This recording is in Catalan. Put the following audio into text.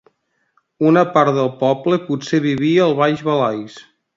Una part del poble potser vivia al baix Valais.